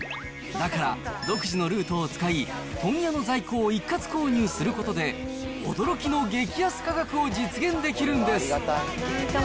だから独自のルートを使い、問屋の在庫を一括購入することで、驚きの激安価格を実現できるんです。